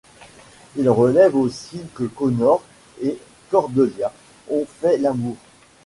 Il révèle aussi que Connor et Cordelia ont fait l'amour.